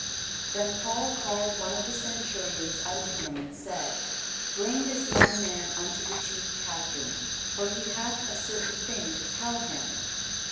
Then Paul called one of the centurions unto him, and said, Bring this young man unto the chief captain: for he hath a certain thing to tell him.